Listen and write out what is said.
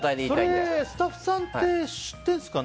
それ、スタッフさんって知ってるんですかね。